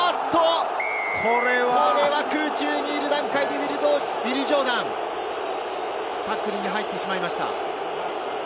これは空中にいる段階で、ウィル・ジョーダン、タックルに入ってしまいました。